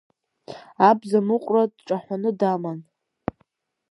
Абзамыҟәра дҿаҳәаны даман.